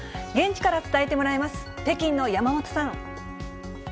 現地から伝えてもらいます、北京の山本さん。